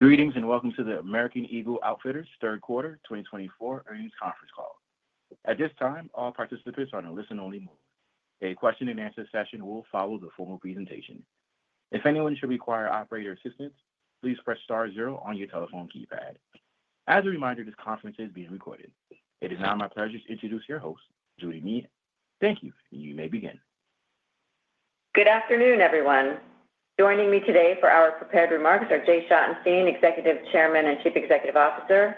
Greetings and welcome to the American Eagle Outfitters Third Quarter 2024 earnings conference call. At this time, all participants are in a listen-only mode. A question-and-answer session will follow the formal presentation. If anyone should require operator assistance, please press star zero on your telephone keypad. As a reminder, this conference is being recorded. It is now my pleasure to introduce your host, Judy Meehan. Thank you, and you may begin. Good afternoon, everyone. Joining me today for our prepared remarks are Jay Schottenstein, Executive Chairman and Chief Executive Officer,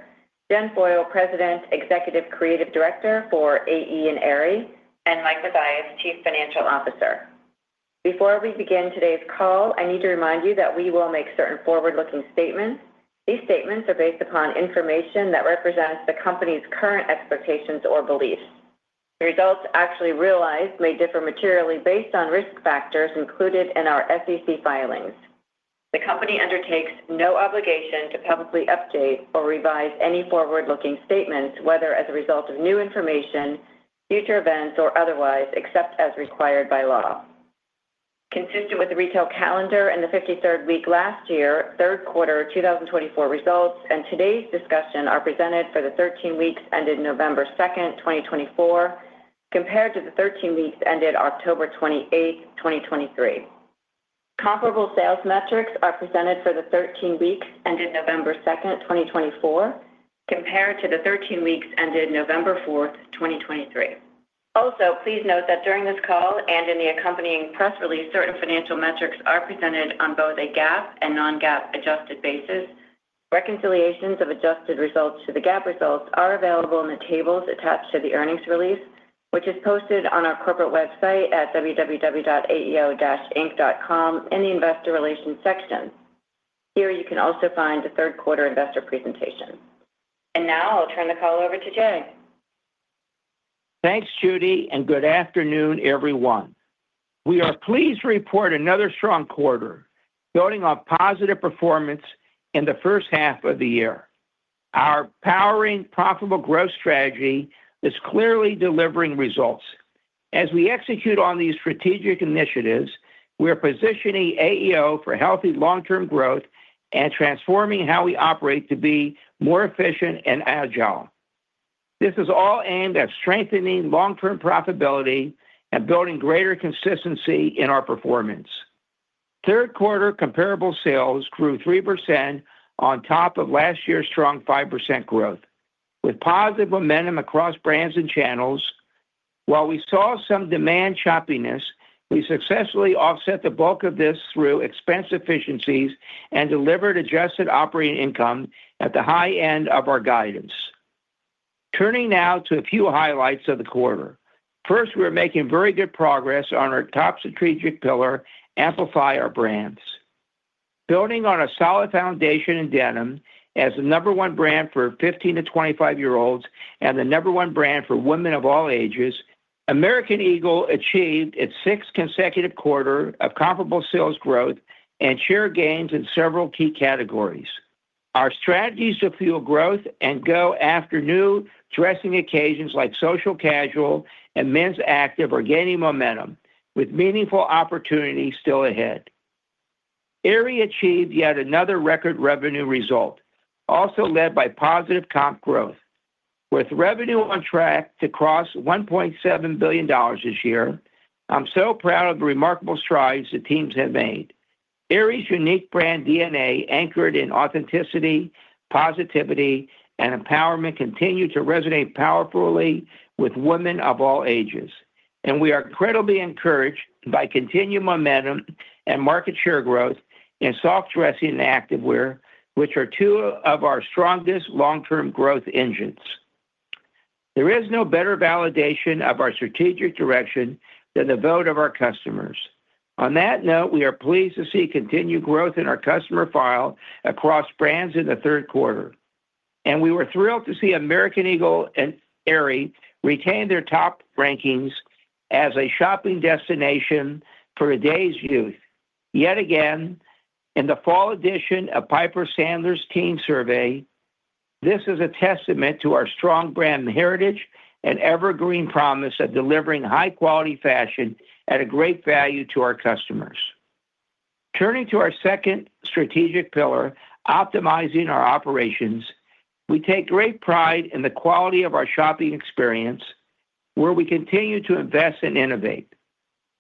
Jen Foyl, President, Executive Creative Director for AE and AE, and Mike Mathias, Chief Financial Officer. Before we begin today's call, I need to remind you that we will make certain forward-looking statements. These statements are based upon information that represents the company's current expectations or beliefs. The results actually realized may differ materially based on risk factors included in our SEC filings. The company undertakes no obligation to publicly update or revise any forward-looking statements, whether as a result of new information, future events, or otherwise, except as required by law. Consistent with the retail calendar and the 53rd week last year, Third Quarter 2024 results and today's discussion are presented for the 13 weeks ended November 2nd, 2024, compared to the 13 weeks ended October 28th, 2023. Comparable sales metrics are presented for the 13 weeks ended November 2nd, 2024, compared to the 13 weeks ended November 4th, 2023. Also, please note that during this call and in the accompanying press release, certain financial metrics are presented on both a GAAP and non-GAAP adjusted basis. Reconciliations of adjusted results to the GAAP results are available in the tables attached to the earnings release, which is posted on our corporate website at www.aeo-inc.com in the investor relations section. Here you can also find the Third Quarter investor presentation. And now I'll turn the call over to Jay. Thanks, Judy, and good afternoon, everyone. We are pleased to report another strong quarter, building on positive performance in the first half of the year. Our Powering Profitable Growth strategy is clearly delivering results. As we execute on these strategic initiatives, we are positioning AEO for healthy long-term growth and transforming how we operate to be more efficient and agile. This is all aimed at strengthening long-term profitability and building greater consistency in our performance. Third Quarter comparable sales grew 3% on top of last year's strong 5% growth, with positive momentum across brands and channels. While we saw some demand choppiness, we successfully offset the bulk of this through expense efficiencies and delivered adjusted operating income at the high end of our guidance. Turning now to a few highlights of the quarter. First, we are making very good progress on our top strategic pillar, Amplify Our Brands. Building on a solid foundation in denim, as the number one brand for 15 to 25-year-olds and the number one brand for women of all ages, American Eagle achieved its sixth consecutive quarter of comparable sales growth and share gains in several key categories. Our strategies to fuel growth and go after new dressing occasions like social casual and men's active are gaining momentum, with meaningful opportunities still ahead. AE achieved yet another record revenue result, also led by positive comp growth. With revenue on track to cross $1.7 billion this year, I'm so proud of the remarkable strides the teams have made. AE unique brand DNA, anchored in authenticity, positivity, and empowerment, continues to resonate powerfully with women of all ages. And we are incredibly encouraged by continued momentum and market share growth in soft dressing and activewear, which are two of our strongest long-term growth engines. There is no better validation of our strategic direction than the vote of our customers. On that note, we are pleased to see continued growth in our customer file across brands in the third quarter. We were thrilled to see American Eagle and AE retain their top rankings as a shopping destination for today's youth. Yet again, in the fall edition of Piper Sandler's Teen Survey, this is a testament to our strong brand heritage and evergreen promise of delivering high-quality fashion at a great value to our customers. Turning to our second strategic pillar, Optimizing Our Operations, we take great pride in the quality of our shopping experience, where we continue to invest and innovate.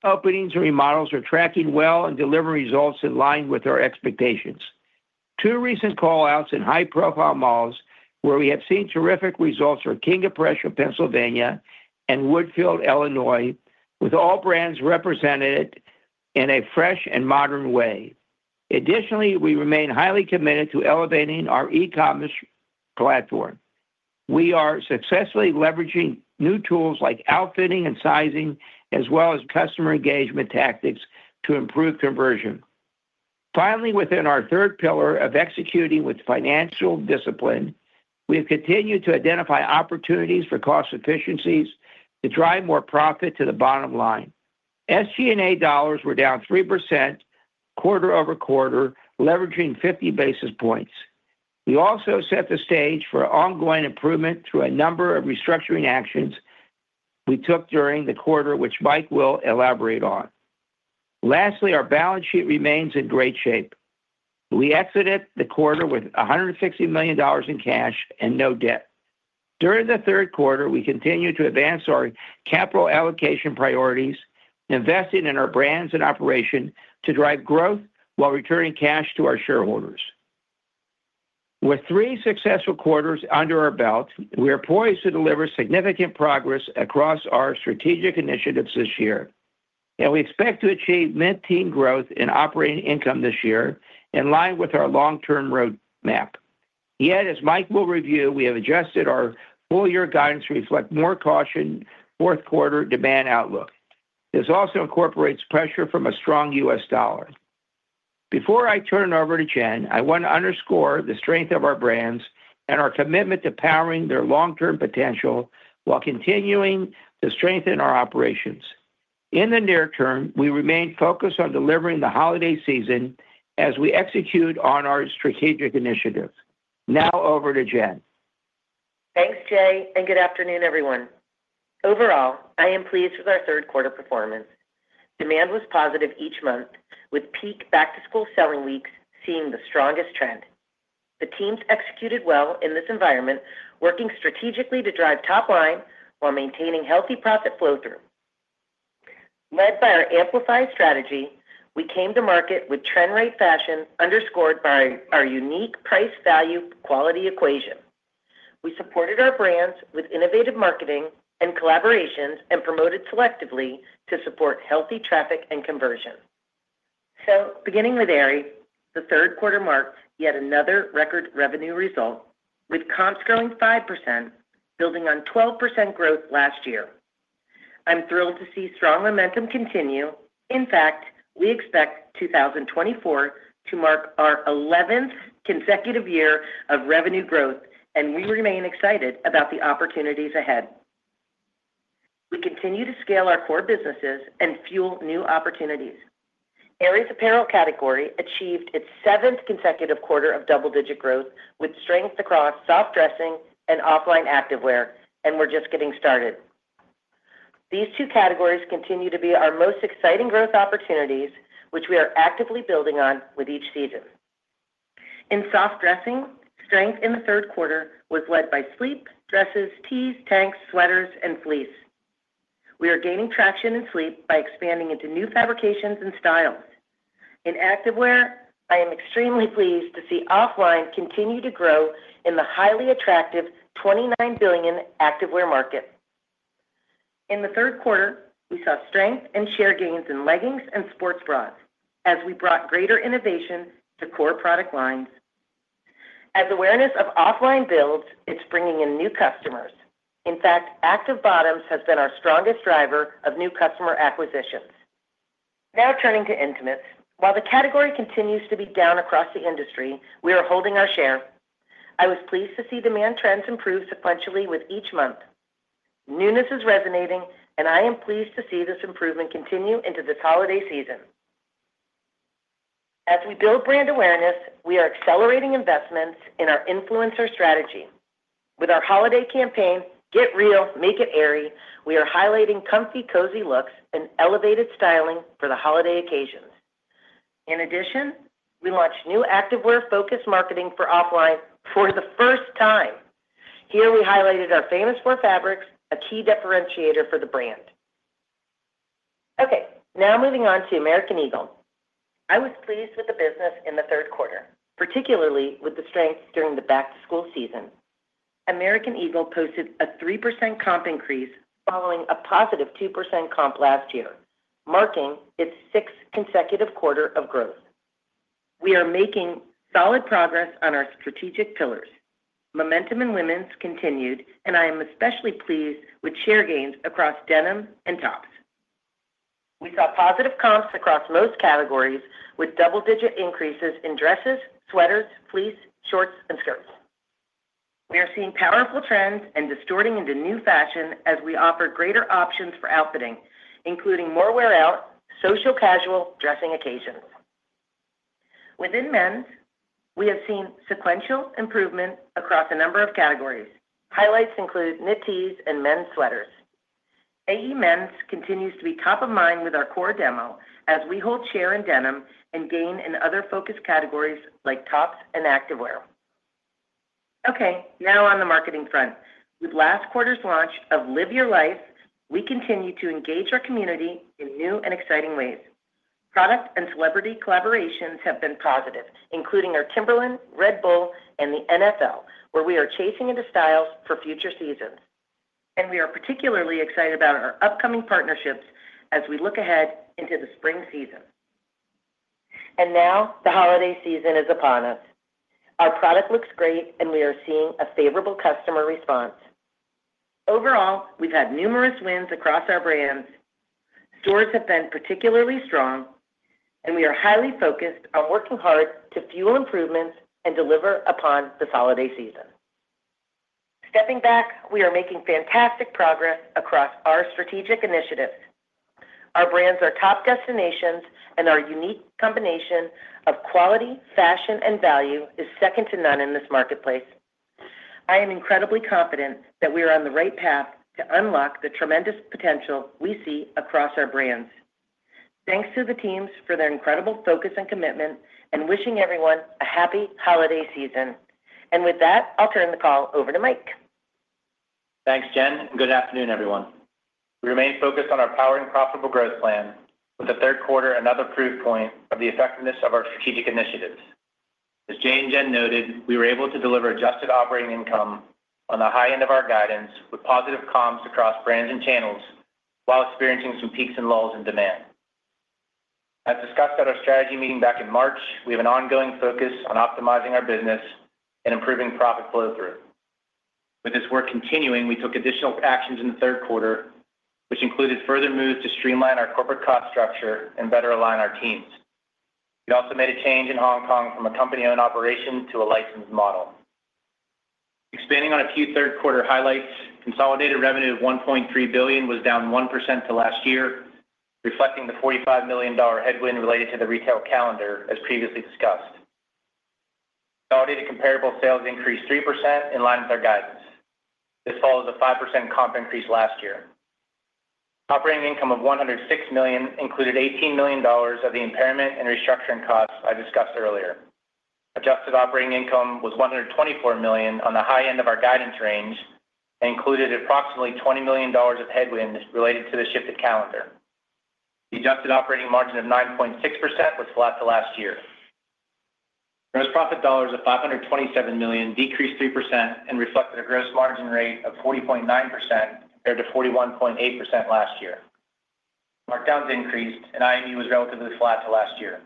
Openings and remodels are tracking well and delivering results in line with our expectations. Two recent callouts in high-profile malls where we have seen terrific results are King of Prussia, Pennsylvania, and Woodfield Mall, Illinois, with all brands represented in a fresh and modern way. Additionally, we remain highly committed to elevating our e-commerce platform. We are successfully leveraging new tools like outfitting and sizing, as well as customer engagement tactics to improve conversion. Finally, within our third pillar of Executing with Financial Discipline, we have continued to identify opportunities for cost efficiencies to drive more profit to the bottom line. SG&A dollars were down 3% quarter over quarter, leveraging 50 basis points. We also set the stage for ongoing improvement through a number of restructuring actions we took during the quarter, which Mike will elaborate on. Lastly, our balance sheet remains in great shape. We exited the quarter with $160 million in cash and no debt. During the third quarter, we continue to advance our capital allocation priorities, investing in our brands and operations to drive growth while returning cash to our shareholders. With three successful quarters under our belt, we are poised to deliver significant progress across our strategic initiatives this year, and we expect to achieve mid-teen growth in operating income this year, in line with our long-term roadmap. Yet, as Mike will review, we have adjusted our full-year guidance to reflect more caution in fourth quarter demand outlook. This also incorporates pressure from a strong U.S. dollar. Before I turn it over to Jen, I want to underscore the strength of our brands and our commitment to powering their long-term potential while continuing to strengthen our operations. In the near term, we remain focused on delivering the holiday season as we execute on our strategic initiatives. Now over to Jen. Thanks, Jay, and good afternoon, everyone. Overall, I am pleased with our third quarter performance. Demand was positive each month, with peak back-to-school selling weeks seeing the strongest trend. The teams executed well in this environment, working strategically to drive top line while maintaining healthy profit flow through. Led by our Amplify strategy, we came to market with trend-right fashion underscored by our unique price-value-quality equation. We supported our brands with innovative marketing and collaborations and promoted selectively to support healthy traffic and conversion. So, beginning with AE, the third quarter marked yet another record revenue result, with comps growing 5%, building on 12% growth last year. I'm thrilled to see strong momentum continue. In fact, we expect 2024 to mark our 11th consecutive year of revenue growth, and we remain excited about the opportunities ahead. We continue to scale our core businesses and fuel new opportunities. AE's apparel category achieved its seventh consecutive quarter of double-digit growth, with strength across soft dressing and OFFLINE activewear, and we're just getting started. These two categories continue to be our most exciting growth opportunities, which we are actively building on with each season. In soft dressing, strength in the third quarter was led by sleep, dresses, tees, tanks, sweaters, and fleece. We are gaining traction in sleep by expanding into new fabrications and styles. In activewear, I am extremely pleased to see OFFLINE continue to grow in the highly attractive $29 billion activewear market. In the third quarter, we saw strength and share gains in leggings and sports bras as we brought greater innovation to core product lines. As awareness of OFFLINE builds, it's bringing in new customers. In fact, active bottoms has been our strongest driver of new customer acquisitions. Now turning to intimates, while the category continues to be down across the industry, we are holding our share. I was pleased to see demand trends improve sequentially with each month. Newness is resonating, and I am pleased to see this improvement continue into this holiday season. As we build brand awareness, we are accelerating investments in our influencer strategy. With our holiday campaign, Get Real. Make It AE, we are highlighting comfy, cozy looks and elevated styling for the holiday occasions. In addition, we launched new activewear-focused marketing for OFFLINE for the first time. Here, we highlighted our Famous 4 Fabrics, a key differentiator for the brand. Okay, now moving on to American Eagle. I was pleased with the business in the third quarter, particularly with the strength during the back-to-school season. American Eagle posted a 3% comp increase following a positive 2% comp last year, marking its sixth consecutive quarter of growth. We are making solid progress on our strategic pillars. Momentum in women's continued, and I am especially pleased with share gains across denim and tops. We saw positive comps across most categories with double-digit increases in dresses, sweaters, fleece, shorts, and skirts. We are seeing powerful trends and transitioning into new fashion as we offer greater options for outfitting, including more wear-now social casual dressing occasions. Within men's, we have seen sequential improvement across a number of categories. Highlights include knit tees and men's sweaters. AE men's continues to be top of mind with our core demo as we hold share in denim and gain in other focus categories like tops and activewear. Okay, now on the marketing front. With last quarter's launch of Live Your Life, we continue to engage our community in new and exciting ways. Product and celebrity collaborations have been positive, including our Timberland, Red Bull, and the NFL, where we are chasing into styles for future seasons, and we are particularly excited about our upcoming partnerships as we look ahead into the spring season, and now the holiday season is upon us. Our product looks great, and we are seeing a favorable customer response. Overall, we've had numerous wins across our brands. Stores have been particularly strong, and we are highly focused on working hard to fuel improvements and deliver upon this holiday season. Stepping back, we are making fantastic progress across our strategic initiatives. Our brands are top destinations, and our unique combination of quality, fashion, and value is second to none in this marketplace. I am incredibly confident that we are on the right path to unlock the tremendous potential we see across our brands. Thanks to the teams for their incredible focus and commitment, and wishing everyone a happy holiday season, and with that, I'll turn the call over to Mike. Thanks, Jen, and good afternoon, everyone. We remain focused on our Powering Profitable Growth plan, with the third quarter another proof point of the effectiveness of our strategic initiatives. As Jay and Jen noted, we were able to deliver adjusted operating income on the high end of our guidance with positive comps across brands and channels while experiencing some peaks and lulls in demand. As discussed at our strategy meeting back in March, we have an ongoing focus on optimizing our business and improving profit flow through. With this work continuing, we took additional actions in the third quarter, which included further moves to streamline our corporate cost structure and better align our teams. We also made a change in Hong Kong from a company-owned operation to a licensed model. Expanding on a few third quarter highlights, consolidated revenue of $1.3 billion was down 1% to last year, reflecting the $45 million headwind related to the retail calendar, as previously discussed. Validated comparable sales increased 3% in line with our guidance. This follows a 5% comp increase last year. Operating income of $106 million included $18 million of the impairment and restructuring costs I discussed earlier. Adjusted operating income was $124 million on the high end of our guidance range and included approximately $20 million of headwinds related to the shifted calendar. The adjusted operating margin of 9.6% was flat to last year. Gross profit dollars of $527 million decreased 3% and reflected a gross margin rate of 40.9% compared to 41.8% last year. Markdowns increased, and IMU was relatively flat to last year.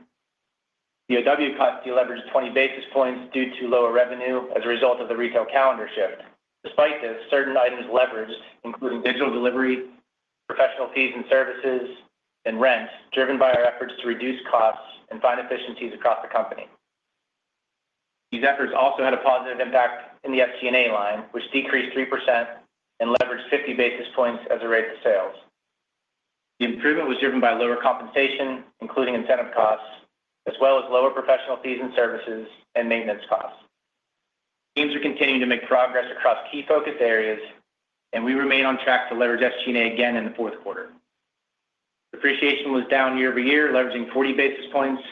The BOW costs leveraged 20 basis points due to lower revenue as a result of the retail calendar shift. Despite this, certain items leveraged, including digital delivery, professional fees and services, and rent, driven by our efforts to reduce costs and find efficiencies across the company. These efforts also had a positive impact in the SG&A line, which decreased 3% and leveraged 50 basis points as a rate of sales. The improvement was driven by lower compensation, including incentive costs, as well as lower professional fees and services and maintenance costs. Teams are continuing to make progress across key focus areas, and we remain on track to leverage SG&A again in the fourth quarter. Depreciation was down year over year, leveraging 40 basis points.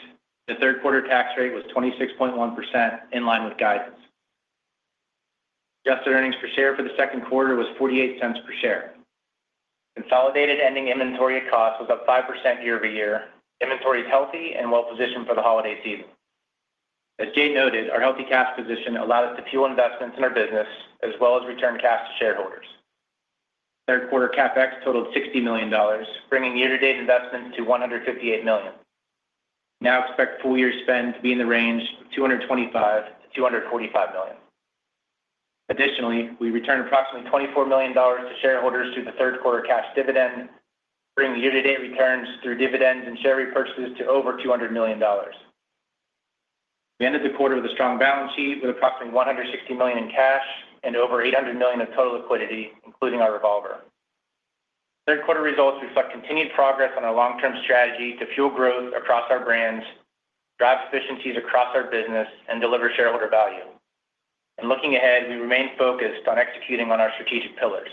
The third quarter tax rate was 26.1% in line with guidance. Adjusted earnings per share for the second quarter was $0.48 per share. Consolidated ending inventory at cost was up 5% year over year. Inventory is healthy and well-positioned for the holiday season. As Jay noted, our healthy cash position allowed us to fuel investments in our business, as well as return cash to shareholders. Third quarter CapEx totaled $60 million, bringing year-to-date investments to $158 million. Now expect full-year spend to be in the range of $225-$245 million. Additionally, we returned approximately $24 million to shareholders through the third quarter cash dividend, bringing year-to-date returns through dividends and share repurchases to over $200 million. We ended the quarter with a strong balance sheet with approximately $160 million in cash and over $800 million of total liquidity, including our revolver. Third quarter results reflect continued progress on our long-term strategy to fuel growth across our brands, drive efficiencies across our business, and deliver shareholder value. Looking ahead, we remain focused on executing on our strategic pillars.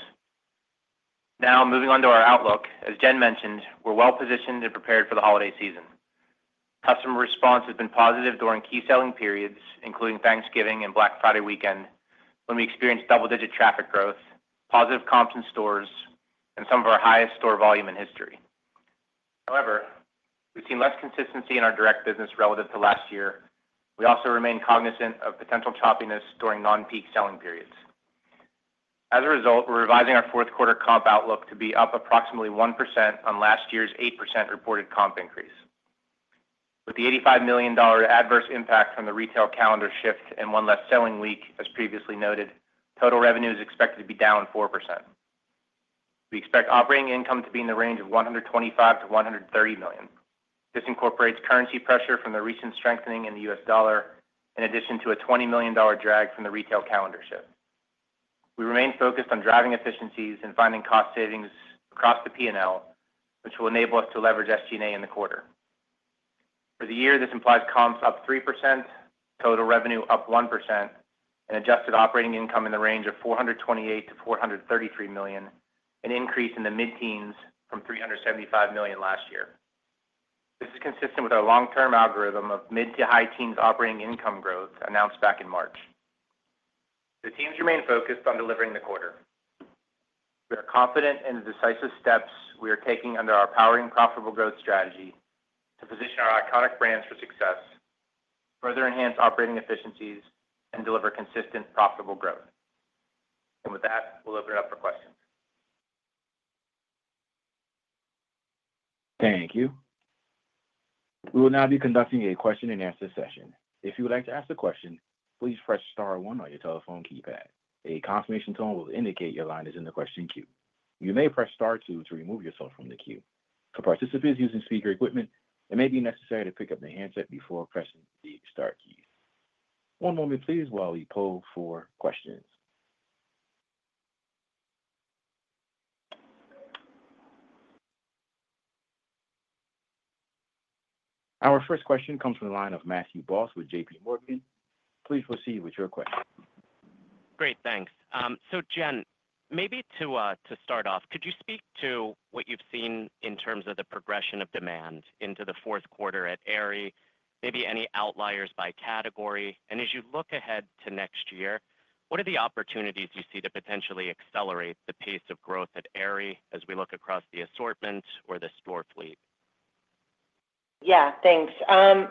Now moving on to our outlook, as Jen mentioned, we're well-positioned and prepared for the holiday season. Customer response has been positive during key selling periods, including Thanksgiving and Black Friday weekend, when we experienced double-digit traffic growth, positive comps in stores, and some of our highest store volume in history. However, we've seen less consistency in our direct business relative to last year. We also remain cognizant of potential choppiness during non-peak selling periods. As a result, we're revising our fourth quarter comp outlook to be up approximately 1% on last year's 8% reported comp increase. With the $85 million adverse impact from the retail calendar shift and one less selling week, as previously noted, total revenue is expected to be down 4%. We expect operating income to be in the range of $125-$130 million. This incorporates currency pressure from the recent strengthening in the U.S. dollar, in addition to a $20 million drag from the retail calendar shift. We remain focused on driving efficiencies and finding cost savings across the P&L, which will enable us to leverage SG&A in the quarter. For the year, this implies comps up 3%, total revenue up 1%, and adjusted operating income in the range of $428-$433 million, an increase in the mid-teens from $375 million last year. This is consistent with our long-term algorithm of mid to high teens operating income growth announced back in March. The teams remain focused on delivering the quarter. We are confident in the decisive steps we are taking under our Powering Profitable Growth strategy to position our iconic brands for success, further enhance operating efficiencies, and deliver consistent profitable growth. And with that, we'll open it up for questions. Thank you. We will now be conducting a question-and-answer session. If you would like to ask a question, please press Star 1 on your telephone keypad. A confirmation tone will indicate your line is in the question queue. You may press Star 2 to remove yourself from the queue. For participants using speaker equipment, it may be necessary to pick up the handset before pressing the Star key. One moment, please, while we poll for questions. Our first question comes from the line of Matthew Boss with J.P. Morgan. Please proceed with your question. Great, thanks. So Jen, maybe to start off, could you speak to what you've seen in terms of the progression of demand into the fourth quarter at AE, maybe any outliers by category? And as you look ahead to next year, what are the opportunities you see to potentially accelerate the pace of growth at AE as we look across the assortment or the store fleet? Yeah, thanks.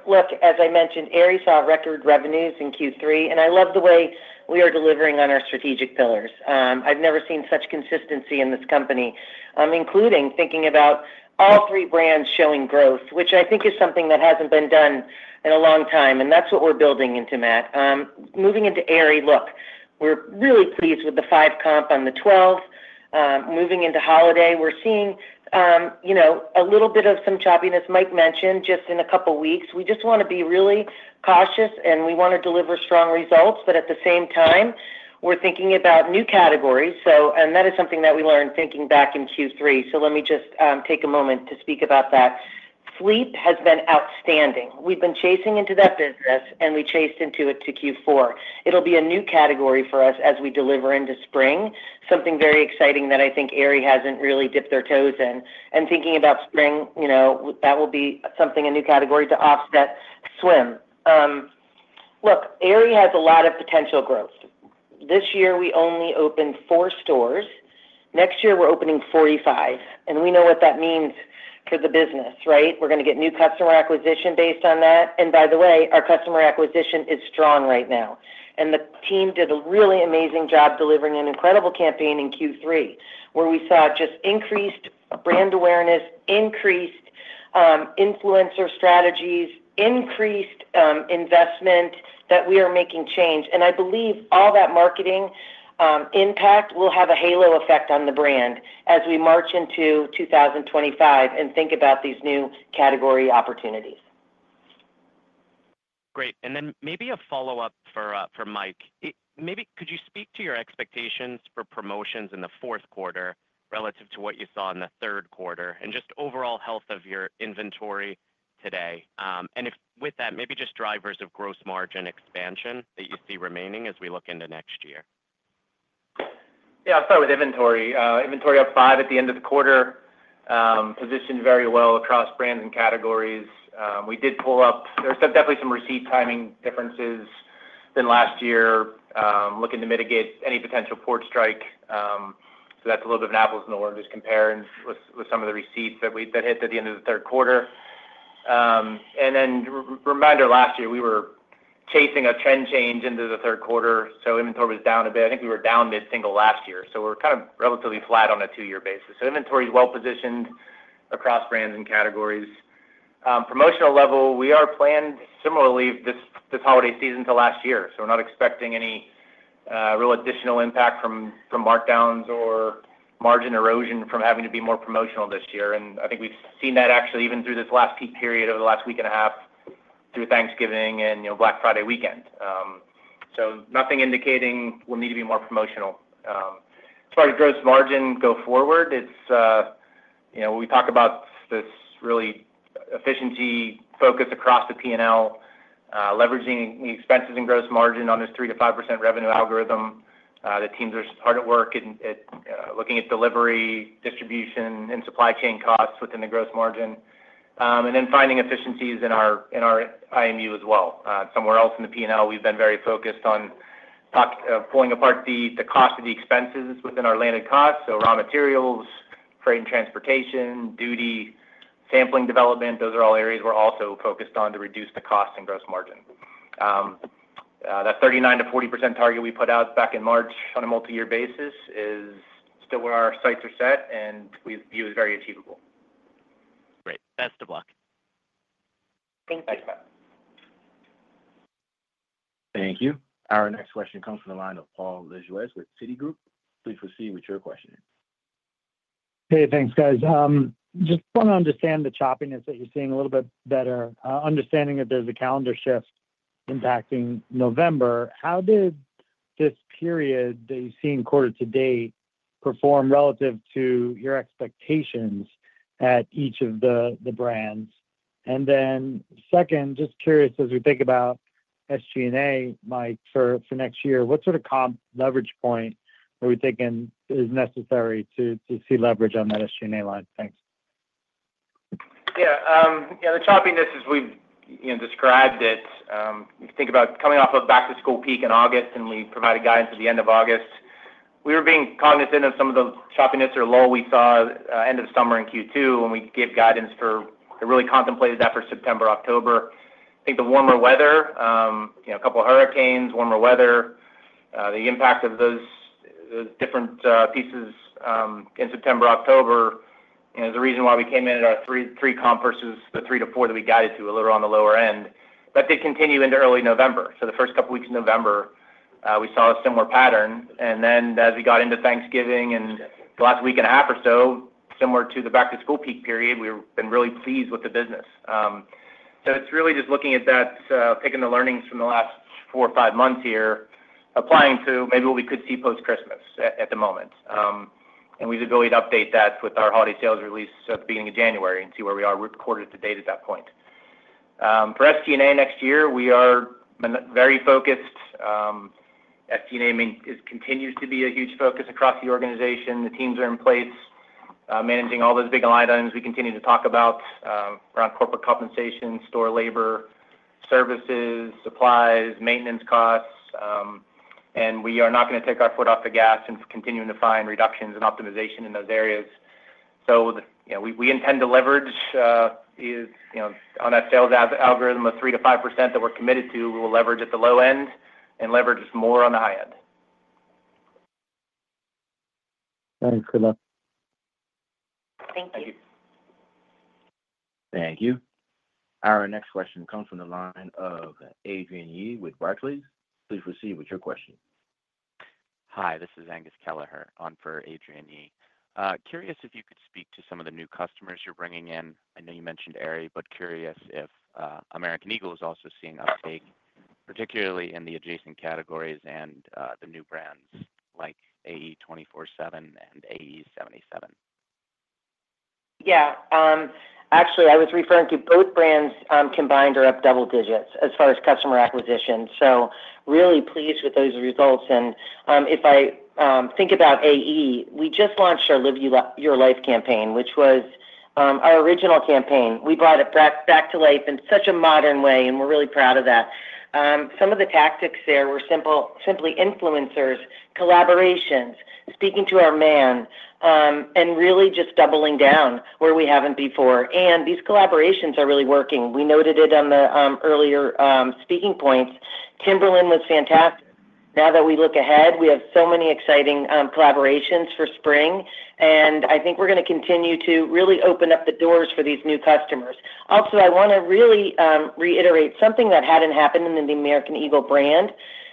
Look, as I mentioned, AE saw record revenues in Q3, and I love the way we are delivering on our strategic pillars. I've never seen such consistency in this company, including thinking about all three brands showing growth, which I think is something that hasn't been done in a long time. And that's what we're building into, Matt. Moving into AE, look, we're really pleased with the five comp on the 12th. Moving into holiday, we're seeing a little bit of some choppiness, Mike mentioned, just in a couple of weeks. We just want to be really cautious, and we want to deliver strong results. But at the same time, we're thinking about new categories. And that is something that we learned thinking back in Q3. So let me just take a moment to speak about that. Fleece has been outstanding. We've been chasing into that business, and we chased into it to Q4. It'll be a new category for us as we deliver into spring, something very exciting that I think AE hasn't really dipped their toes in. And thinking about spring, that will be something, a new category to offset swim. Look, AE has a lot of potential growth. This year, we only opened four stores. Next year, we're opening 45. And we know what that means for the business, right? We're going to get new customer acquisition based on that. And by the way, our customer acquisition is strong right now. And the team did a really amazing job delivering an incredible campaign in Q3, where we saw just increased brand awareness, increased influencer strategies, increased investment that we are making change. I believe all that marketing impact will have a halo effect on the brand as we march into 2025 and think about these new category opportunities. Great. And then maybe a follow-up for Mike. Maybe could you speak to your expectations for promotions in the fourth quarter relative to what you saw in the third quarter and just overall health of your inventory today? And with that, maybe just drivers of gross margin expansion that you see remaining as we look into next year. Yeah, I'll start with inventory. Inventory up 5% at the end of the quarter, positioned very well across brands and categories. We did pull forward. There's definitely some receipt timing differences than last year, looking to mitigate any potential port strike. So that's a little bit of an apples-to-oranges compare with some of the receipts that hit at the end of the third quarter. And then reminder, last year, we were chasing a trend change into the third quarter. So inventory was down a bit. I think we were down mid-single digits % last year. So we're kind of relatively flat on a two-year basis. So inventory is well-positioned across brands and categories. Promotional level, we are planned similarly this holiday season to last year. So we're not expecting any real additional impact from markdowns or margin erosion from having to be more promotional this year. And I think we've seen that actually even through this last peak period over the last week and a half through Thanksgiving and Black Friday weekend. So nothing indicating we'll need to be more promotional. As far as gross margin go forward, it's when we talk about this really efficiency focus across the P&L, leveraging the expenses and gross margin on this 3%-5% revenue algorithm, the teams are hard at work looking at delivery, distribution, and supply chain costs within the gross margin. And then finding efficiencies in our IMU as well. Somewhere else in the P&L, we've been very focused on pulling apart the cost of the expenses within our landed costs. So raw materials, freight and transportation, duty, sampling development, those are all areas we're also focused on to reduce the cost and gross margin. That 39%-40% target we put out back in March on a multi-year basis is still where our sights are set, and we view it as very achievable. Great. Best of luck. Thank you. Thanks, Matt. Thank you. Our next question comes from the line of Paul Lejuez with Citigroup. Please proceed with your question. Hey, thanks, guys. Just want to understand the choppiness that you're seeing a little bit better. Understanding that there's a calendar shift impacting November, how did this period that you've seen quarter to date perform relative to your expectations at each of the brands? And then second, just curious, as we think about SG&A, Mike, for next year, what sort of comp leverage point are we thinking is necessary to see leverage on that SG&A line? Thanks. Yeah. Yeah, the choppiness, as we've described it. You think about coming off of back-to-school peak in August, and we provided guidance at the end of August. We were being cognizant of some of the choppiness or lull we saw at the end of the summer in Q2, and we gave guidance that really contemplated that for September, October. I think the warmer weather, a couple of hurricanes, warmer weather, the impact of those different pieces in September, October is the reason why we came in at our three comp versus the three to four that we guided to a little on the lower end. That did continue into early November. So the first couple of weeks in November, we saw a similar pattern. And then as we got into Thanksgiving and the last week and a half or so, similar to the back-to-school peak period, we've been really pleased with the business. So it's really just looking at that, taking the learnings from the last four or five months here, applying to maybe what we could see post-Christmas at the moment. And we've been able to update that with our holiday sales release at the beginning of January and see where we are quarter to date at that point. For SG&A next year, we are very focused. SG&A continues to be a huge focus across the organization. The teams are in place managing all those big line items we continue to talk about around corporate compensation, store labor, services, supplies, maintenance costs. We are not going to take our foot off the gas and continue to find reductions and optimization in those areas. We intend to leverage on that sales algorithm of 3%-5% that we're committed to. We will leverage at the low end and leverage more on the high end. Thanks for that. Thank you. Thank you. Thank you. Our next question comes from the line of Adrian Yih with Barclays. Please proceed with your question. Hi, this is Angus Kelleher on for Adrian Yih. Curious if you could speak to some of the new customers you're bringing in. I know you mentioned AE, but curious if American Eagle is also seeing uptake, particularly in the adjacent categories and the new brands like AE 24/7 and AE77. Yeah. Actually, I was referring to both brands combined are up double digits as far as customer acquisition. So really pleased with those results. And if I think about AE, we just launched our Live Your Life campaign, which was our original campaign. We brought it back to life in such a modern way, and we're really proud of that. Some of the tactics there were simply influencers, collaborations, speaking to our man, and really just doubling down where we haven't before. And these collaborations are really working. We noted it on the earlier speaking points. Timberland was fantastic. Now that we look ahead, we have so many exciting collaborations for spring. And I think we're going to continue to really open up the doors for these new customers. Also, I want to really reiterate something that hadn't happened in the American Eagle brand.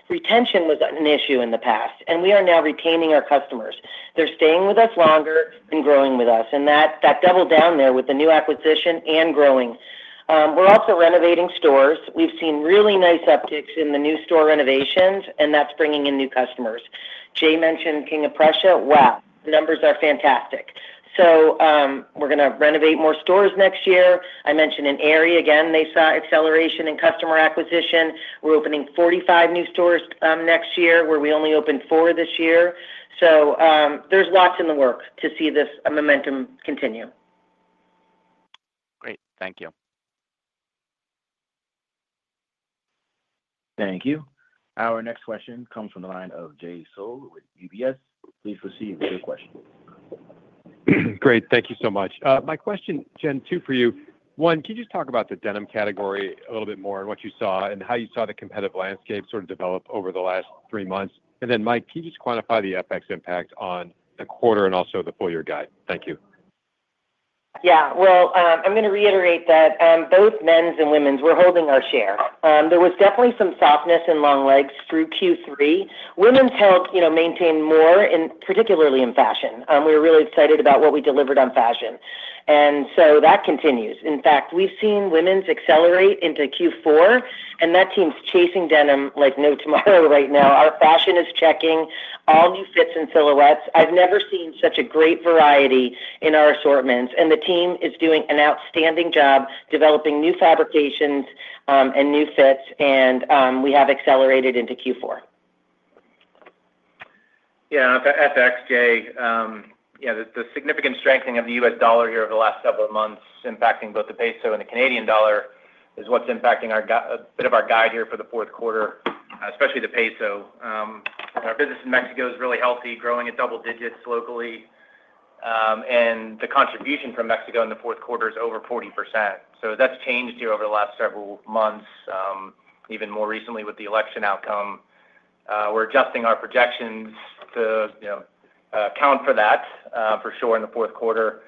Retention was an issue in the past, and we are now retaining our customers. They're staying with us longer and growing with us, and that doubles down there with the new acquisition and growing. We're also renovating stores. We've seen really nice upticks in the new store renovations, and that's bringing in new customers. Jay mentioned King of Prussia. Wow, the numbers are fantastic, so we're going to renovate more stores next year. I mentioned in AE, again, they saw acceleration in customer acquisition. We're opening 45 new stores next year, where we only opened four this year, so there's lots in the works to see this momentum continue. Great. Thank you. Thank you. Our next question comes from the line of Jay Sole with UBS. Please proceed with your question. Great. Thank you so much. My question, Jen, two for you. One, can you just talk about the denim category a little bit more and what you saw and how you saw the competitive landscape sort of develop over the last three months? And then, Mike, can you just quantify the FX impact on the quarter and also the full-year guide? Thank you. Yeah. Well, I'm going to reiterate that both men's and women's, we're holding our share. There was definitely some softness in leggings through Q3. Women's held maintained more, particularly in fashion. We were really excited about what we delivered on fashion. And so that continues. In fact, we've seen women's accelerate into Q4, and that team's chasing denim like no tomorrow right now. Our fashion is checking all new fits and silhouettes. I've never seen such a great variety in our assortments. And the team is doing an outstanding job developing new fabrications and new fits, and we have accelerated into Q4. Yeah. FX, Jay. Yeah, the significant strengthening of the U.S. dollar here over the last several months impacting both the peso and the Canadian dollar is what's impacting a bit of our guide here for the fourth quarter, especially the peso. Our business in Mexico is really healthy, growing at double digits locally. And the contribution from Mexico in the fourth quarter is over 40%. So that's changed here over the last several months, even more recently with the election outcome. We're adjusting our projections to account for that for sure in the fourth quarter.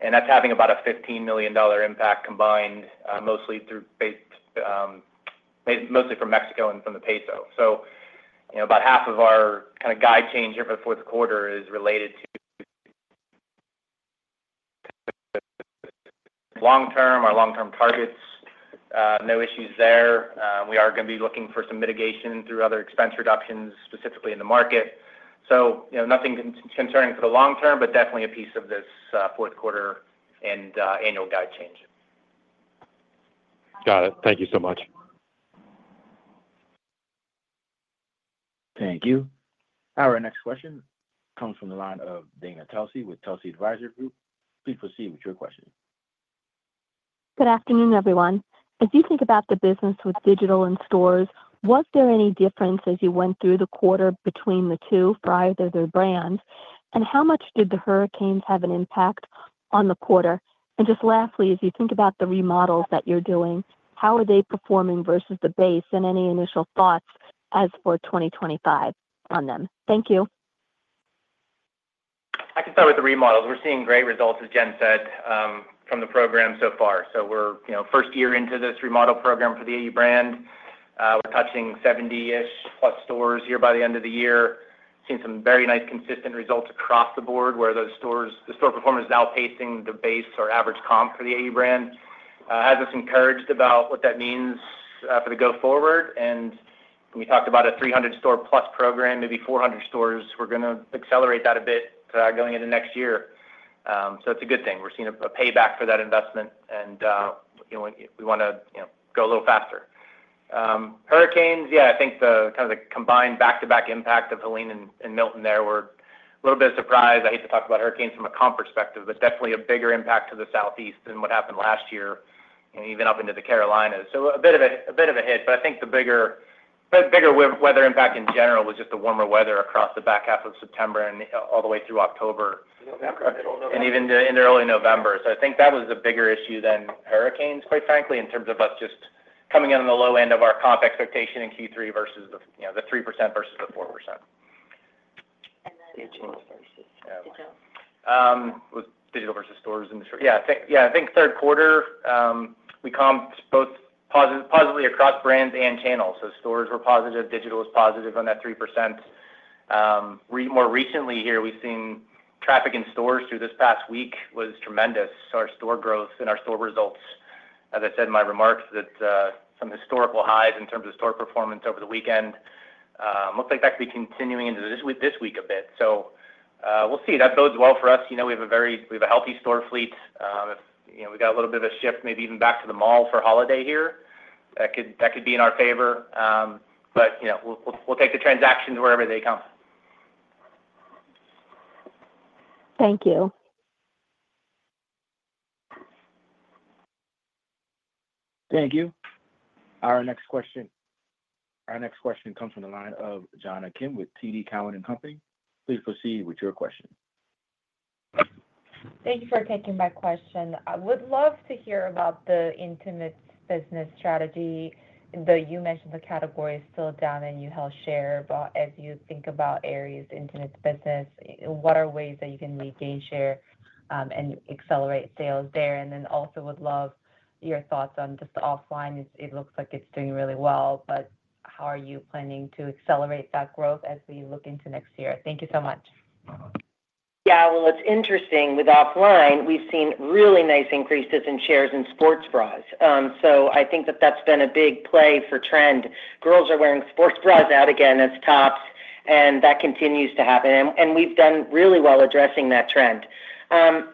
And that's having about a $15 million impact combined, mostly from Mexico and from the peso. So about half of our kind of guide change here for the fourth quarter is related to long-term, our long-term targets. No issues there. We are going to be looking for some mitigation through other expense reductions specifically in the market, so nothing concerning for the long term, but definitely a piece of this fourth quarter and annual guide change. Got it. Thank you so much. Thank you. Our next question comes from the line of Dana Telsey with Telsey Advisory Group. Please proceed with your question. Good afternoon, everyone. As you think about the business with digital and stores, was there any difference as you went through the quarter between the two for either of their brands? How much did the hurricanes have an impact on the quarter? Just lastly, as you think about the remodels that you're doing, how are they performing versus the base? Any initial thoughts as for 2025 on them? Thank you. I can start with the remodels. We're seeing great results, as Jen said, from the program so far. So we're first year into this remodel program for the AE brand. We're touching 70-ish plus stores here by the end of the year. Seen some very nice consistent results across the board where the store performance is outpacing the base or average comp for the AE brand. Has us encouraged about what that means for the go forward. And we talked about a 300-store plus program, maybe 400 stores. We're going to accelerate that a bit going into next year. So it's a good thing. We're seeing a payback for that investment, and we want to go a little faster. Hurricanes, yeah, I think the kind of the combined back-to-back impact of Helene and Milton there, we're a little bit surprised. I hate to talk about hurricanes from a comp perspective, but definitely a bigger impact to the Southeast than what happened last year, even up into the Carolinas. So a bit of a hit, but I think the bigger weather impact in general was just the warmer weather across the back half of September and all the way through October. And even into early November. So I think that was a bigger issue than hurricanes, quite frankly, in terms of us just coming in on the low end of our comp expectation in Q3 versus the 3% versus the 4%. Digital versus digital. Digital versus stores in the short. Yeah. Yeah. I think third quarter, we comped both positively across brands and channels. So stores were positive. Digital was positive on that 3%. More recently here, we've seen traffic in stores through this past week was tremendous. So our store growth and our store results, as I said in my remarks, that some historical highs in terms of store performance over the weekend. Looks like that could be continuing into this week a bit. So we'll see. That bodes well for us. We have a healthy store fleet. We've got a little bit of a shift, maybe even back to the mall for holiday here. That could be in our favor. But we'll take the transactions wherever they come. Thank you. Thank you. Our next question comes from the line of Jonna Kim with TD Cowen. Please proceed with your question. Thank you for taking my question. I would love to hear about the intimate business strategy. You mentioned the category is still down, and you held share. But as you think about AE's intimate business, what are ways that you can regain share and accelerate sales there? And then also would love your thoughts on just the OFFLINE. It looks like it's doing really well, but how are you planning to accelerate that growth as we look into next year? Thank you so much. Yeah. Well, it's interesting. With OFFLINE, we've seen really nice increases in shares in sports bras. So I think that that's been a big play for trend. Girls are wearing sports bras out again as tops, and that continues to happen. And we've done really well addressing that trend.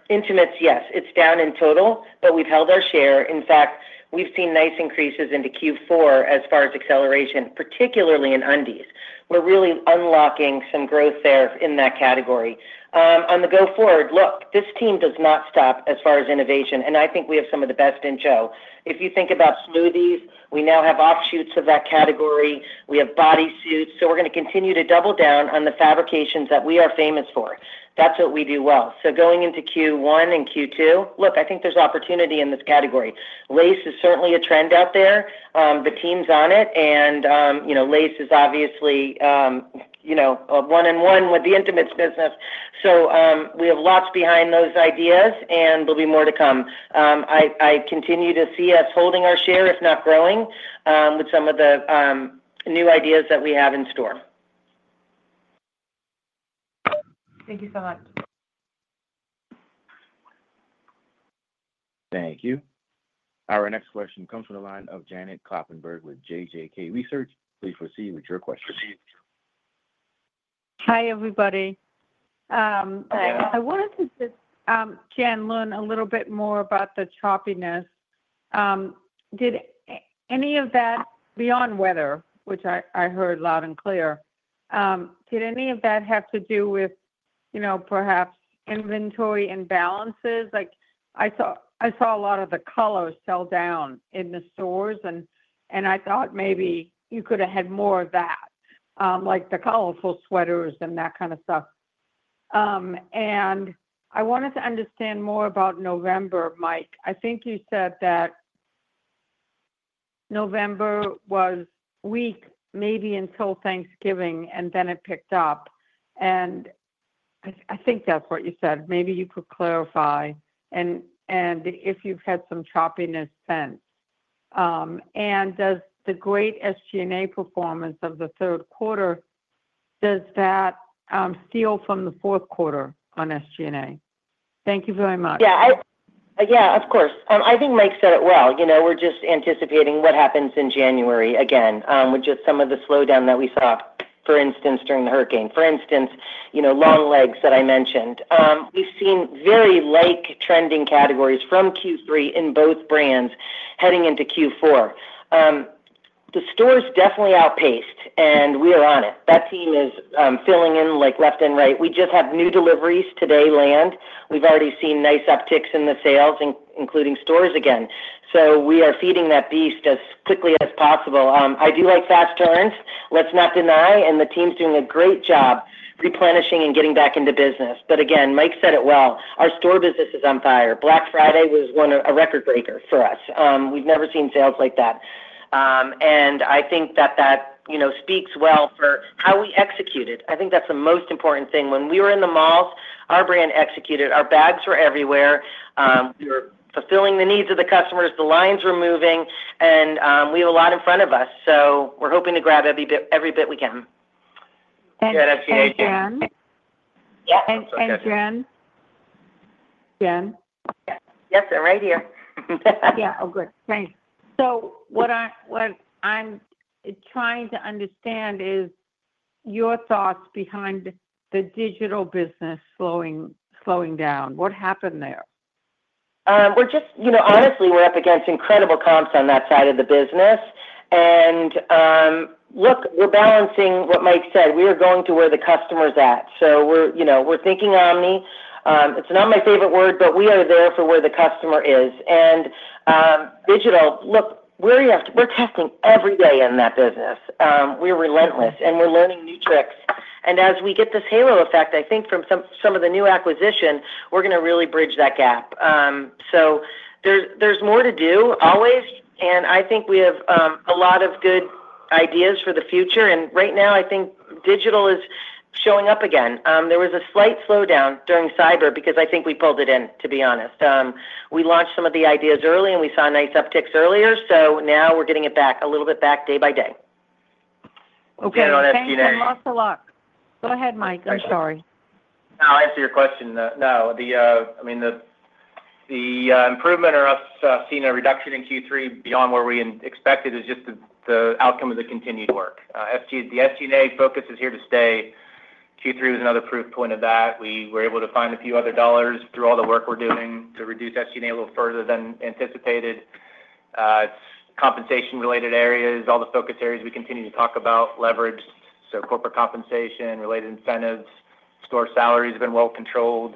Intimates, yes, it's down in total, but we've held our share. In fact, we've seen nice increases into Q4 as far as acceleration, particularly in undies. We're really unlocking some growth there in that category. On the go forward, look, this team does not stop as far as innovation, and I think we have some of the best in tow. If you think about SMOOTHIEZ, we now have offshoots of that category. We have bodysuits. So we're going to continue to double down on the fabrications that we are famous for. That's what we do well. So going into Q1 and Q2, look, I think there's opportunity in this category. Lace is certainly a trend out there. The team's on it. And lace is obviously one-on-one with the intimates business. So we have lots behind those ideas, and there'll be more to come. I continue to see us holding our share, if not growing, with some of the new ideas that we have in store. Thank you so much. Thank you. Our next question comes from the line of Janet Kloppenburg with JJK Research. Please proceed with your question. Hi, everybody. I wanted to just, Jen, learn a little bit more about the choppiness. Did any of that, beyond weather, which I heard loud and clear, did any of that have to do with perhaps inventory imbalances? I saw a lot of the colors sell down in the stores, and I thought maybe you could have had more of that, like the colorful sweaters and that kind of stuff. I wanted to understand more about November, Mike. I think you said that November was weak maybe until Thanksgiving, and then it picked up. I think that's what you said. Maybe you could clarify if you've had some choppiness since. Does the great SG&A performance of the third quarter feel from the fourth quarter on SG&A? Thank you very much. Yeah. Yeah, of course. I think Mike said it well. We're just anticipating what happens in January again with just some of the slowdown that we saw, for instance, during the hurricane. For instance, leggings that I mentioned. We've seen very like trending categories from Q3 in both brands heading into Q4. The stores definitely outpaced, and we are on it. That team is filling in left and right. We just have new deliveries today land. We've already seen nice upticks in the sales, including stores again. So we are feeding that beast as quickly as possible. I do like fast turns. Let's not deny. And the team's doing a great job replenishing and getting back into business. But again, Mike said it well. Our store business is on fire. Black Friday was a record breaker for us. We've never seen sales like that. And I think that that speaks well for how we executed. I think that's the most important thing. When we were in the malls, our brand executed. Our bags were everywhere. We were fulfilling the needs of the customers. The lines were moving, and we have a lot in front of us. So we're hoping to grab every bit we can. Thank you. Thanks, Jen. Thanks, Jen. Thanks, Jen. Thanks, Jen. Jen. Yes. They're right here. Yeah. Oh, good. Thanks. So what I'm trying to understand is your thoughts behind the digital business slowing down. What happened there? Honestly, we're up against incredible comps on that side of the business. And look, we're balancing what Mike said. We are going to where the customer's at. So we're thinking omni. It's not my favorite word, but we are there for where the customer is. And digital, look, we're testing every day in that business. We're relentless, and we're learning new tricks. And as we get this halo effect, I think from some of the new acquisition, we're going to really bridge that gap. So there's more to do always. And I think we have a lot of good ideas for the future. And right now, I think digital is showing up again. There was a slight slowdown during Cyber because I think we pulled it in, to be honest. We launched some of the ideas early, and we saw nice upticks earlier. Now we're getting it back a little bit day by day. Okay. Thanks, Jen. Lots of luck. Go ahead, Mike. I'm sorry. I'll answer your question. No. I mean, the improvement or us seeing a reduction in Q3 beyond where we expected is just the outcome of the continued work. The SG&A focus is here to stay. Q3 was another proof point of that. We were able to find a few other dollars through all the work we're doing to reduce SG&A a little further than anticipated. It's compensation-related areas. All the focus areas we continue to talk about leveraged. So corporate compensation, related incentives, store salaries have been well controlled,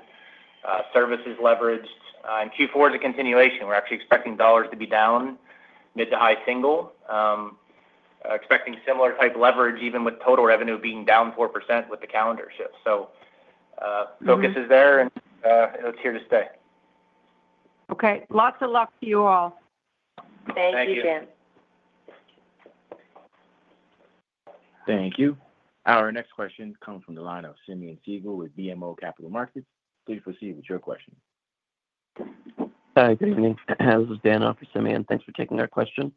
services leveraged. And Q4 is a continuation. We're actually expecting dollars to be down, mid- to high single. Expecting similar type leverage, even with total revenue being down 4% with the calendar shift. Focus is there, and it's here to stay. Okay. Lots of luck to you all. Thank you, Jen. Thank you. Our next question comes from the line of Simeon Siegel with BMO Capital Markets. Please proceed with your question. Hi, good evening. This is Dan on for, Simeon. Thanks for taking our question.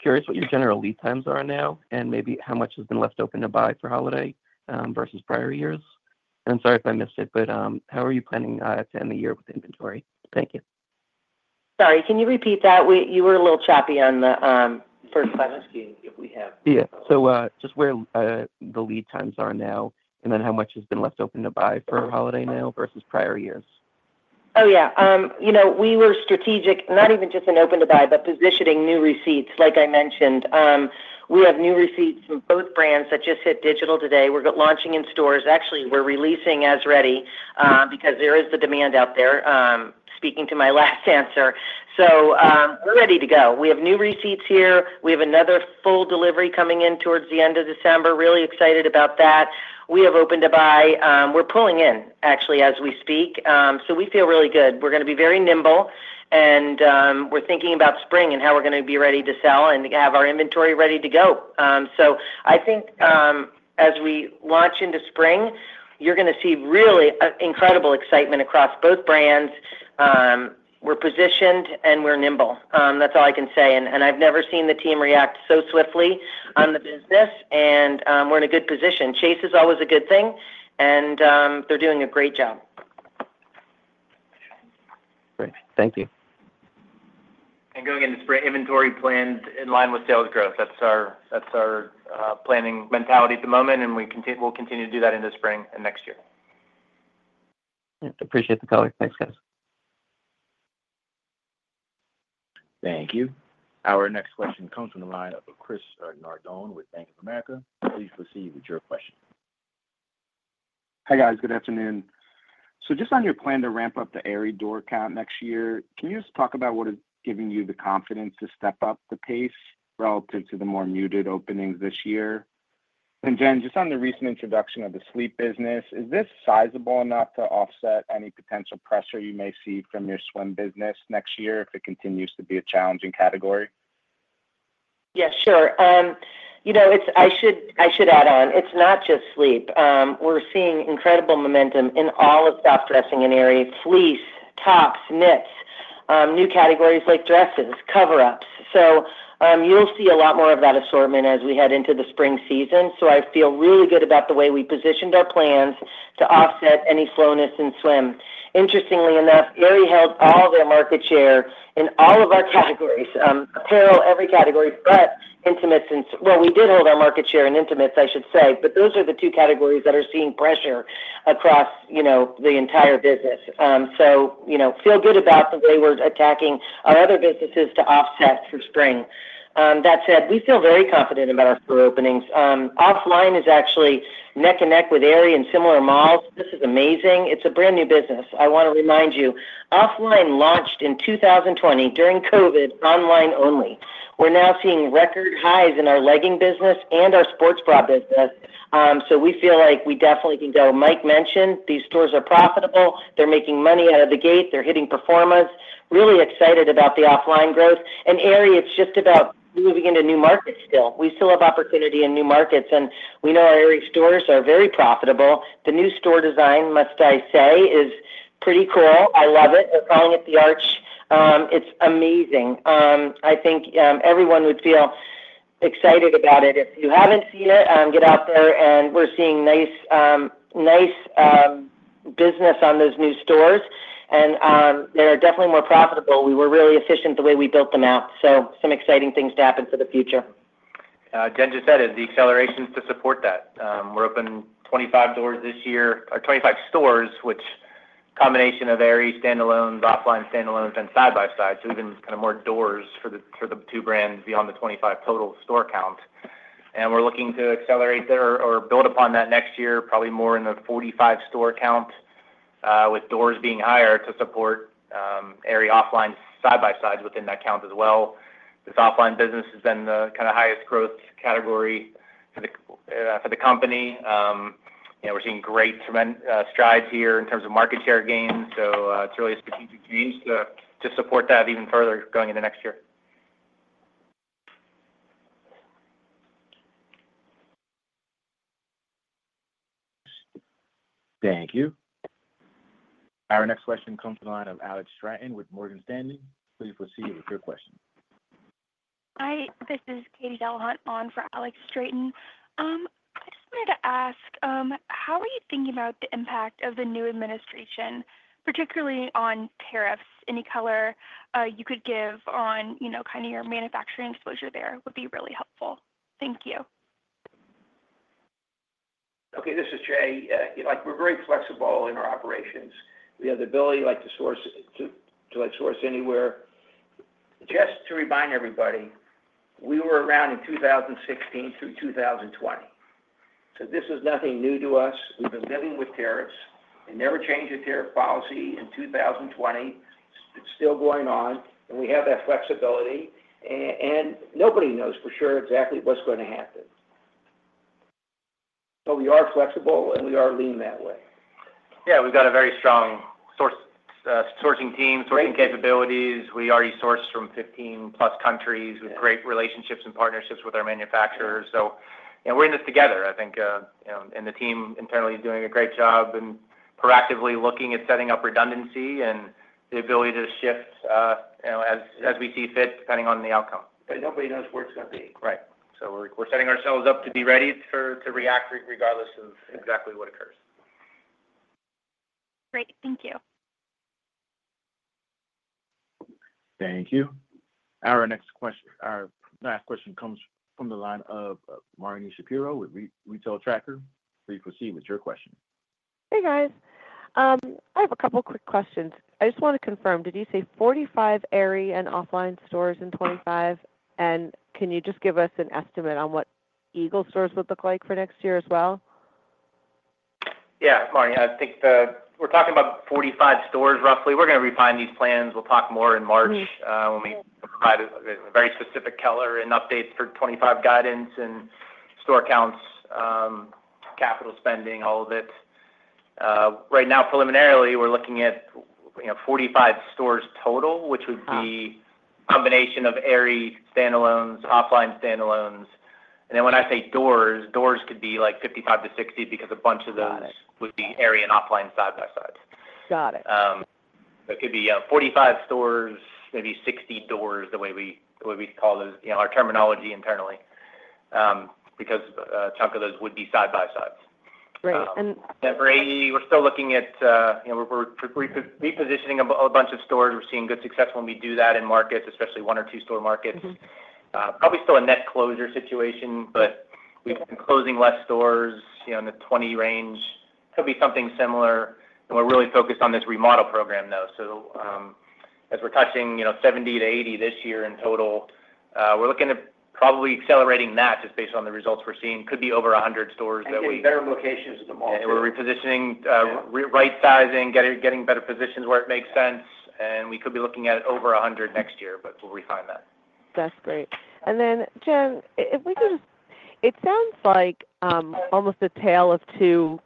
Curious what your general lead times are now and maybe how much has been left open to buy for holiday versus prior years? and sorry if I missed it, but how are you planning to end the year with inventory? Thank you. Sorry, can you repeat that? You were a little choppy on the first question. I'm just seeing if we have. Yeah. So just where the lead times are now and then how much has been left Open to Buy for holiday now versus prior years? Oh, yeah. We were strategic, not even just in Open to Buy, but positioning new receipts, like I mentioned. We have new receipts from both brands that just hit digital today. We're launching in stores. Actually, we're releasing as ready because there is the demand out there, speaking to my last answer. So we're ready to go. We have new receipts here. We have another full delivery coming in towards the end of December. Really excited about that. We have Open to Buy. We're pulling in, actually, as we speak. So we feel really good. We're going to be very nimble, and we're thinking about spring and how we're going to be ready to sell and have our inventory ready to go. So I think as we launch into spring, you're going to see really incredible excitement across both brands. We're positioned, and we're nimble. That's all I can say. And I've never seen the team react so swiftly on the business, and we're in a good position. Cash is always a good thing, and they're doing a great job. Great. Thank you. Going into spring, inventory planned in line with sales growth. That's our planning mentality at the moment, and we'll continue to do that into spring and next year. Appreciate the color. Thanks, guys. Thank you. Our next question comes from the line of Chris Nardone with Bank of America. Please proceed with your question. Hi guys. Good afternoon. So just on your plan to ramp up the AE door count next year, can you just talk about what is giving you the confidence to step up the pace relative to the more muted openings this year? Jen, just on the recent introduction of the sleep business, is this sizable enough to offset any potential pressure you may see from your swim business next year if it continues to be a challenging category? Yeah, sure. I should add on. It's not just sleep. We're seeing incredible momentum in all of soft dressing and AE, fleece, tops, knits, new categories like dresses, cover-ups. So you'll see a lot more of that assortment as we head into the spring season. So I feel really good about the way we positioned our plans to offset any slowness in swim. Interestingly enough, AE held all their market share in all of our categories, apparel, every category, but intimates and well, we did hold our market share in intimates, I should say, but those are the two categories that are seeing pressure across the entire business. So feel good about the way we're attacking our other businesses to offset for spring. That said, we feel very confident about our store openings. OFFLINE is actually neck and neck with AE in similar malls. This is amazing. It's a brand new business. I want to remind you, OFFLINE launched in 2020 during COVID, online only. We're now seeing record highs in our leggings business and our sports bra business. So we feel like we definitely can go. Mike mentioned these stores are profitable. They're making money out of the gate. They're hitting performance. Really excited about the OFFLINE growth, and AE, it's just about moving into new markets still. We still have opportunity in new markets, and we know our AE stores are very profitable. The new store design, as I must say, is pretty cool. I love it. They're calling it The Arch. It's amazing. I think everyone would feel excited about it. If you haven't seen it, get out there, and we're seeing nice business on those new stores. And they are definitely more profitable. We were really efficient the way we built them out. Some exciting things to happen for the future. Jen just said it. The accelerations to support that. We're open 25 doors this year or 25 stores, which combination of AE stand-alones, OFFLINE stand-alones, and side-by-sides. So even kind of more doors for the two brands beyond the 25 total store count. And we're looking to accelerate or build upon that next year, probably more in the 45 store count with doors being higher to support AE OFFLINE side-by-sides within that count as well. This OFFLINE business has been the kind of highest growth category for the company. We're seeing great strides here in terms of market share gains. So it's really a strategic change to support that even further going into next year. Thank you. Our next question comes from the line of Alex Straton with Morgan Stanley. Please proceed with your question. Hi. This is Katie Dahlhut on for Alex Straton. I just wanted to ask, how are you thinking about the impact of the new administration, particularly on tariffs? Any color you could give on kind of your manufacturing exposure there would be really helpful. Thank you. Okay. This is Jay. We're very flexible in our operations. We have the ability to source anywhere. Just to remind everybody, we were around in 2016 through 2020. So this is nothing new to us. We've been living with tariffs. They never changed the tariff policy in 2020. It's still going on, and we have that flexibility. And nobody knows for sure exactly what's going to happen. But we are flexible, and we are lean that way. Yeah. We've got a very strong sourcing team, sourcing capabilities. We already source from 15-plus countries with great relationships and partnerships with our manufacturers. So we're in this together, I think. And the team internally is doing a great job and proactively looking at setting up redundancy and the ability to shift as we see fit depending on the outcome. But nobody knows where it's going to be. Right. So we're setting ourselves up to be ready to react regardless of exactly what occurs. Great. Thank you. Thank you. Our next question, our last question comes from the line of Marnie Shapiro with Retail Tracker. Please proceed with your question. Hey, guys. I have a couple of quick questions. I just want to confirm. Did you say 45 AE and OFFLINE stores in 2025? And can you just give us an estimate on what Eagle stores would look like for next year as well? Yeah. Marnie, I think we're talking about 45 stores roughly. We're going to refine these plans. We'll talk more in March when we provide a very specific color and updates for 2025 guidance and store counts, capital spending, all of it. Right now, preliminarily, we're looking at 45 stores total, which would be a combination of AE stand-alones, OFFLINE stand-alones. And then when I say doors, doors could be like 55 to 60 because a bunch of those would be AE and OFFLINE side by side. Got it. So it could be 45 stores, maybe 60 doors the way we call our terminology internally because a chunk of those would be side-by-sides. Great. And. Then for AE, we're still looking at repositioning a bunch of stores. We're seeing good success when we do that in markets, especially one or two-store markets. Probably still a net closure situation, but we've been closing less stores in the 20 range. It'll be something similar. And we're really focused on this remodel program, though. So as we're touching 70-80 this year in total, we're looking at probably accelerating that just based on the results we're seeing. Could be over 100 stores that we. We need better locations in the market. We're repositioning, right-sizing, getting better positions where it makes sense. And we could be looking at over 100 next year, but we'll refine that. That's great. And then, Jen, if we could just, it sounds like almost a tale of two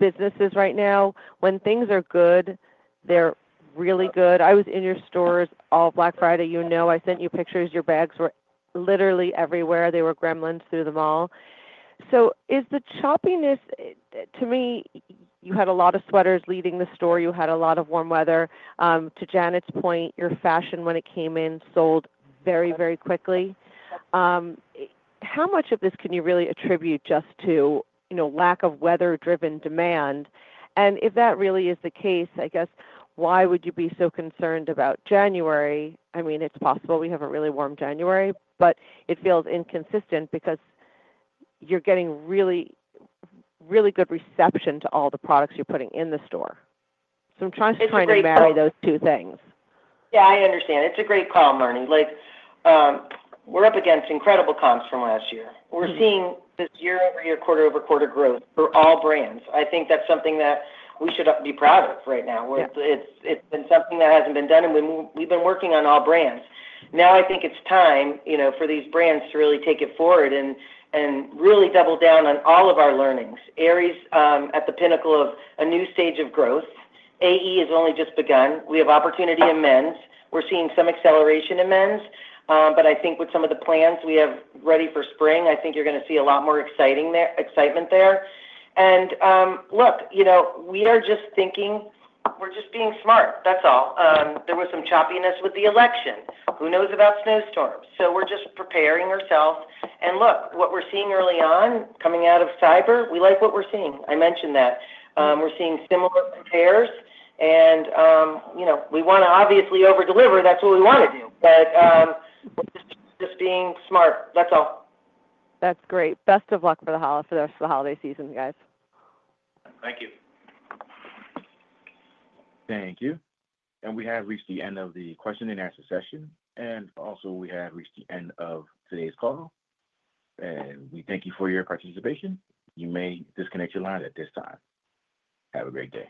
businesses right now. When things are good, they're really good. I was in your stores all Black Friday. You know I sent you pictures. Your bags were literally everywhere. They were streaming through the mall. So, is the choppiness? To me, you had a lot of sweaters leading the store. You had a lot of warm weather. To Janet's point, your fashion when it came in sold very, very quickly. How much of this can you really attribute just to lack of weather-driven demand? And if that really is the case, I guess, why would you be so concerned about January? I mean, it's possible we have a really warm January, but it feels inconsistent because you're getting really, really good reception to all the products you're putting in the store. So I'm trying to kind of marry those two things. Yeah, I understand. It's a great call, Marnie. We're up against incredible comps from last year. We're seeing this year-over-year, quarter-over-quarter growth for all brands. I think that's something that we should be proud of right now. It's been something that hasn't been done, and we've been working on all brands. Now I think it's time for these brands to really take it forward and really double down on all of our learnings. AE is at the pinnacle of a new stage of growth. AE has only just begun. We have opportunity in men's. We're seeing some acceleration in men's. But I think with some of the plans we have ready for spring, I think you're going to see a lot more excitement there. And look, we are just thinking we're just being smart. That's all. There was some choppiness with the election. Who knows about snowstorms? So we're just preparing ourselves. And look, what we're seeing early on coming out of Cyber, we like what we're seeing. I mentioned that. We're seeing similar compares, and we want to obviously overdeliver. That's what we want to do. But just being smart. That's all. That's great. Best of luck for the holiday season, guys. Thank you. Thank you. We have reached the end of the question-and-answer session. Also, we have reached the end of today's call. We thank you for your participation. You may disconnect your line at this time. Have a great day.